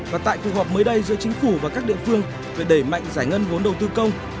và tại cuộc họp mới đây giữa chính phủ và các địa phương về đẩy mạnh giải ngân vốn đầu tư công